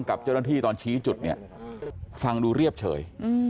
กับเจ้าหน้าที่ตอนชี้จุดเนี่ยฟังดูเรียบเฉย